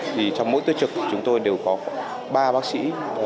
thì trong mỗi tiết trực chúng tôi đều có ba bác sĩ